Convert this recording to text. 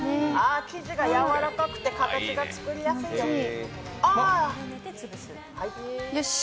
生地がやわらかくて形が作りやすいよ。